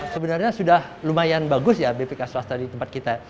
sebenarnya sudah lumayan bagus ya bpk swasta di tempat kita